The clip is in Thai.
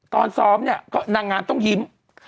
ตอนซ้อมเนี่ยก็นางงามต้องยิ้ม